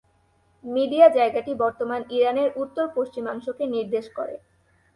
Media জায়গাটি বর্তমান ইরানের উত্তর-পশ্চিমাংশকে নির্দেশ করে।